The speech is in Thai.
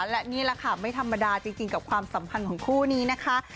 และนี่แหละค่ะไม่ธรรมดาจริงกับความสัมพันธ์ของคู่นี้นะคะ